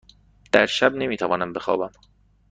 در شب نمی توانم بخوابم.